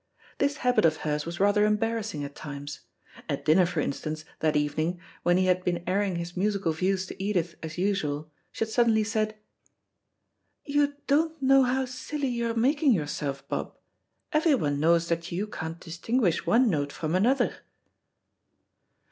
This habit of hers was rather embarrassing at times. At dinner, for instance, that evening, when he had been airing his musical views to Edith as usual, she had suddenly said, "You don't know how silly you're making yourself, Bob. Everyone knows that you can't distinguish one note from another!"